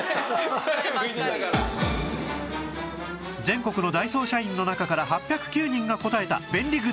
全国のダイソー社員の中から８０９人が答えた便利グッズ